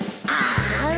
ああ。